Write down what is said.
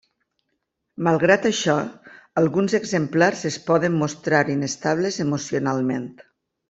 Malgrat això, alguns exemplars es poden mostrar inestables emocionalment.